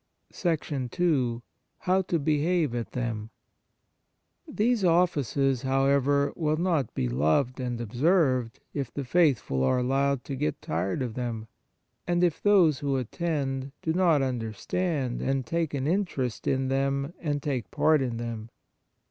II How to behave at them These offices, however, will not be loved and observed if the faithful are allowed to get tired of them, and if those who attend do not under stand and take an interest in them and take part in them.